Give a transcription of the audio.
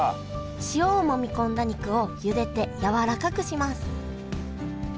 塩をもみ込んだ肉をゆでてやわらかくします。